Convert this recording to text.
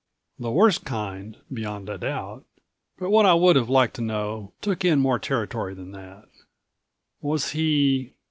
The worst kind, beyond a doubt. But what I would have liked to know took in more territory than that. Was he